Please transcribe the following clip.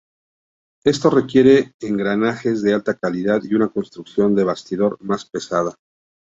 Esto requiere engranajes de alta calidad y una construcción de bastidor más pesada.